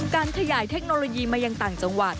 การขยายเทคโนโลยีมายังต่างจังหวัด